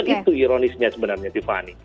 itu ironisnya sebenarnya tiffany